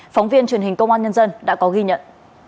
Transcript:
phóng viên truyền hình công an nhân dân đã có ghi nhận